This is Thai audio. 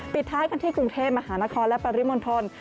ปิดท้ายกันที่กรุงเทพมหานครและปริมณฑล